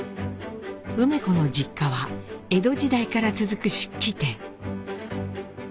梅子の実家は江戸時代から続く漆器店。